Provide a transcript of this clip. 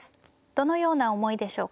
どのような思いでしょうか。